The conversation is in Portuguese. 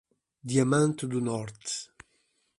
Diamante do Norte